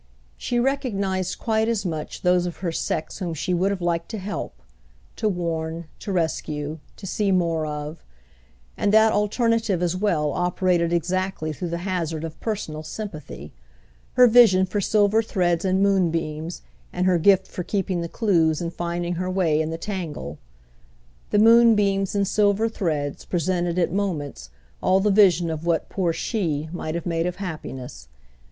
She recognised quite as much those of her sex whom she would have liked to help, to warn, to rescue, to see more of; and that alternative as well operated exactly through the hazard of personal sympathy, her vision for silver threads and moonbeams and her gift for keeping the clues and finding her way in the tangle. The moonbeams and silver threads presented at moments all the vision of what poor she might have made of happiness.